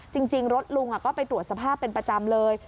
จริงรถลุงก็ไปตรวจสภาพเป็นประจำเลย